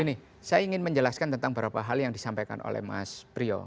gini saya ingin menjelaskan tentang beberapa hal yang disampaikan oleh mas priyo